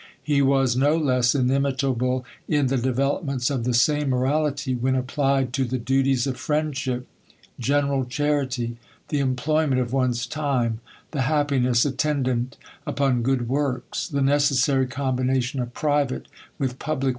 He was no less inimitable in the developements of the same morality, F 2 when 66 THE COLUMBIAN ORATOR. when applied to the cluties of friendship, general chaii (y, the employment of one's time, the happiness at tendant upon good works, the necessary combination of private with public.